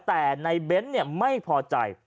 แต่ว่าในเบ้นท์เนี่ยไม่พอใจ